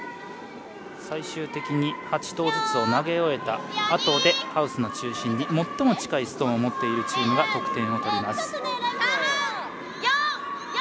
最終的に８投ずつを投げ終えたあとでハウスの中心に最も近いストーンを持っているチームが得点を取ります。